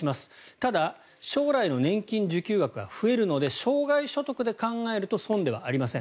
ただ、将来の年金受給額が増えるので生涯所得で考えると損ではありません。